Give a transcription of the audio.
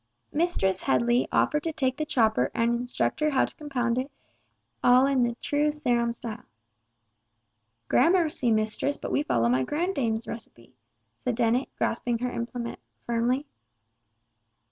Mistress Headley offered to take the chopper and instruct her how to compound all in the true Sarum style. "Grammercy, mistress, but we follow my grand dame's recipe!" said Dennet, grasping her implement firmly.